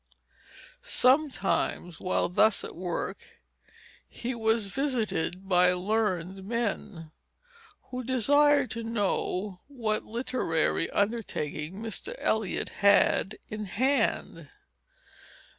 Sometimes, while thus at work, he was visited by learned men, who desired to know what literary undertaking Mr. Elliot had in hand.